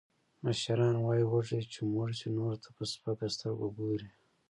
مشران وایي، وږی چې موړ شي، نورو ته په سپکه سترگه گوري.